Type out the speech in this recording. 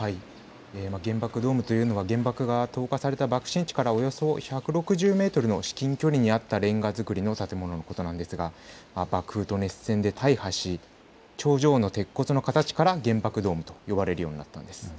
原爆ドームというのは原爆が投下された爆心地からおよそ１６０メートルの至近距離にあったレンガ造りの建物のことなんですが爆風と熱線で大破し頂上の鉄骨の形から原爆ドームと呼ばれるようになったんです。